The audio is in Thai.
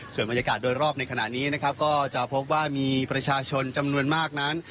ส่วนบรรยากาศโดยรอบในขณะนี้นะครับก็จะพบว่ามีประชาชนจำนวนมากนั้น